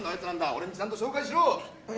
俺にちゃんと紹介しろ！」